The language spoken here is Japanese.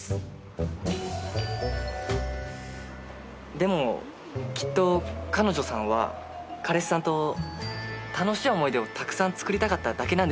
でもきっと彼女さんは彼氏さんと楽しい思い出をたくさんつくりたかっただけなんでしょうね。